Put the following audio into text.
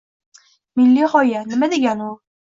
“Milliy g‘oya” – nima degani u?